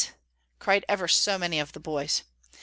cried ever so many of the boys.